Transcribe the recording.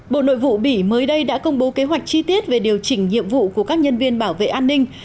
bộ nội vụ bỉ mới đây đã công bố kế hoạch chi tiết về điều chỉnh nhiệm vụ của các nhân viên bảo vệ an ninh